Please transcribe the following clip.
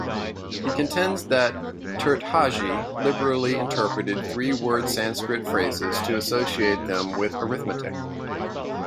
He contends that Tirthaji liberally interpreted three-word Sanskrit phrases to associate them with arithmetic.